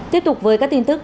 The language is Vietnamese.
tiếp tục với các tin tức